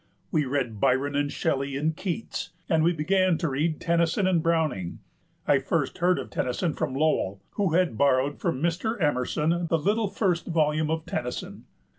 We read Byron and Shelley and Keats, and we began to read Tennyson and Browning. I first heard of Tennyson from Lowell, who had borrowed from Mr. Emerson the little first volume of Tennyson.